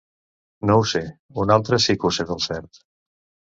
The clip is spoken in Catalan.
No ho sé, una altra sí que ho sé del cert.